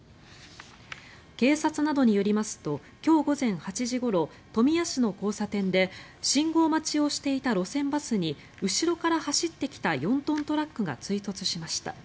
警察などによりますと今日午前８時ごろ富谷市の交差点で信号待ちをしていた路線バスに後ろから走ってきた４トントラックが追突しました。